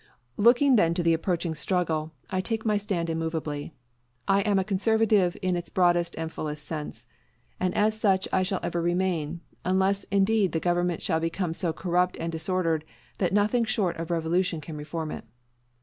Looking then to the approaching struggle, I take my stand immovably. _I am a conservative in its broadest and fullest sense, and such I shall ever remain, unless indeed the government shall become so corrupt and disordered that nothing short of revolution can reform it.